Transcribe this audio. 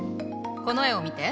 この絵を見て。